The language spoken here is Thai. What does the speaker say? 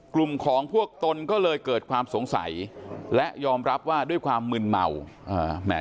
กลุ่มของพวกตนก็เลยเกิดความสงสัยและยอมรับว่าด้วยความมึนเมาอ่าแหม